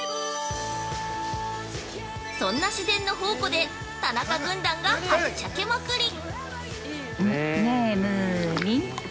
そんな自然の宝庫で田中軍団がはっちゃけまくり！